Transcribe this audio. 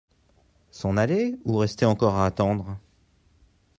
S'en aller ou rester encore à attendre ?